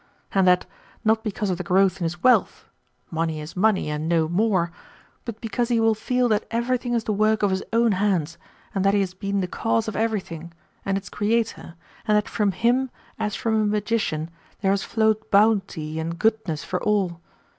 And that, not because of the growth in his wealth money is money and no more but because he will feel that everything is the work of his own hands, and that he has been the cause of everything, and its creator, and that from him, as from a magician, there has flowed bounty and goodness for all.